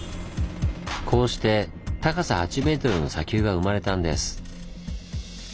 こうして高さ８ｍの砂丘が生まれたんです。